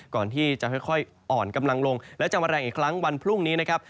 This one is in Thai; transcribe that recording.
ก่อนที่จะค่อยอ่อนกำลังลงและจะมาแรงอีกครั้งวันพรุ่งนี้นะครับ